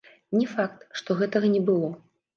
Не факт, што гэтага не было.